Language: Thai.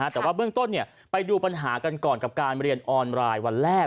แต่ว่าเบื้องต้นไปดูปัญหากันก่อนกับการเรียนออนไลน์วันแรก